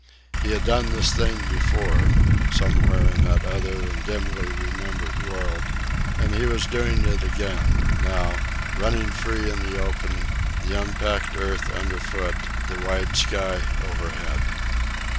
He had done this thing before, somewhere in that other and dimly remembered world, and he was doing it again, now, running free in the open, the unpacked earth underfoot, the wide sky overhead.